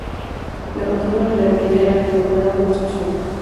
La patrona de la Ermita era la Inmaculada Concepción.